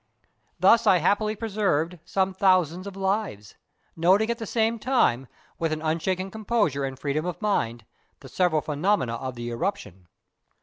Thus I happily preserved some thousands of lives, noting at the same time, with an unshaken composure and freedom of mind, the several phenomena of the eruption.